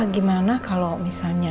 gimana kalau misalnya